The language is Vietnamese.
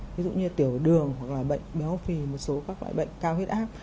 ví dụ như tiểu đường bệnh béo phì một số các loại bệnh cao hiết ác